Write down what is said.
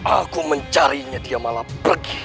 aku mencarinya dia malah pergi